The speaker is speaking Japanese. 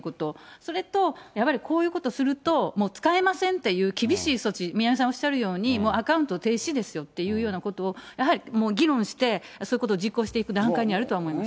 それと、やっぱりこういうことすると、もう使えませんっていう厳しい措置、宮根さんおっしゃるように、もうアカウント停止ですよっていうようなことを、やはり議論して、そういうことを実行していく段階にはあるとは思います。